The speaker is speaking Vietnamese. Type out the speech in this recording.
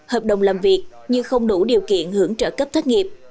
hợp đồng làm việc nhưng không đủ điều kiện hưởng trợ cấp thất nghiệp